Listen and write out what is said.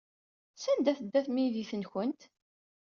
Sanda ay tedda tmidit-nwent?